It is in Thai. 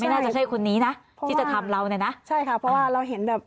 น่าจะใช่คนนี้นะที่จะทำเราเนี่ยนะใช่ค่ะเพราะว่าเราเห็นแบบ